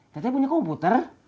teteh punya komputer